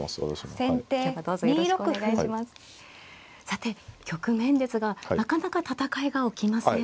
さて局面ですがなかなか戦いが起きません。